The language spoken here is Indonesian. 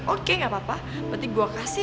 oke gak apa apa penting gue kasih